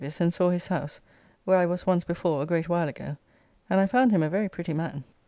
I went to Mr. Davys's and saw his house (where I was once before a great while ago) and I found him a very pretty man.